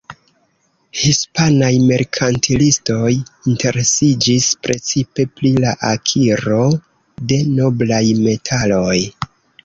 Hispanaj merkantilistoj interesiĝis precipe pri la akiro de noblaj metaloj.